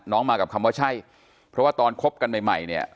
มากับคำว่าใช่เพราะว่าตอนคบกันใหม่ใหม่เนี่ย